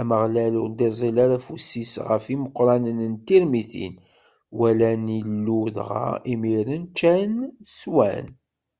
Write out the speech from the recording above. Ameɣlal ur d-iẓẓil ara afus-is ɣef imeqranen n Tirmitin, walan Illu dɣa imiren ččan, swan.